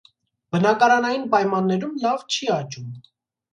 Բնակարանային պայմաններում լավ չի աճում։